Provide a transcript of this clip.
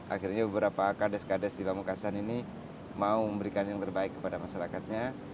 akhirnya beberapa kardes kardes di bawangkasan ini mau memberikan yang terbaik kepada masyarakatnya